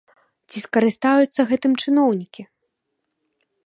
Ці скарыстаюцца гэтым чыноўнікі?